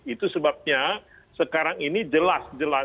itu sebabnya sekarang ini jelas jelas